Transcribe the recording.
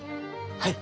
はい！